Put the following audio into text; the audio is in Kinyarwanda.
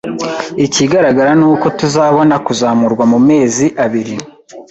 Ikigaragara ni uko tuzabona kuzamurwa mu mezi abiri